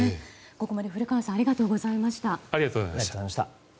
ここまで古川さんありがとうございました。